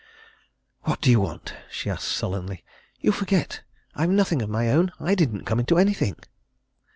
"What do you want?" she asked sullenly. "You forget I've nothing of my own. I didn't come into anything."